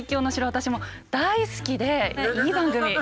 私も大好きでいい番組。